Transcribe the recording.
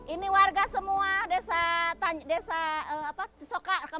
ini warga semua desa cisoka